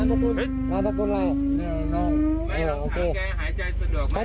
ลูกชายแจ้งตำรวจและกู้ภัย